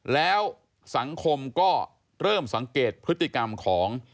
แล้วสังคมก็เริ่มสังเกตพฤติกรรมของ